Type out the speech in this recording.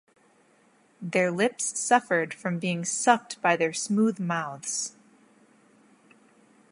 Their lips suffered from being sucked by their smooth mouths.